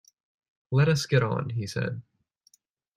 “Let us get on,” he said.